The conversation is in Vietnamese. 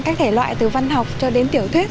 các thể loại từ văn học cho đến tiểu thuyết